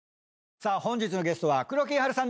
さあ本日のゲストは黒木華さん